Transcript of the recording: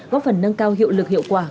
góp phần nâng cao hiệu lực hiệu quả